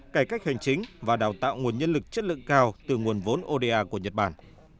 cải cách hành chính và đào tạo nguồn nhân lực chất lượng cao từ nguồn vốn oda của nhật bản